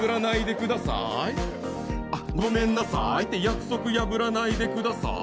ごめんなさいって、約束破らないでください。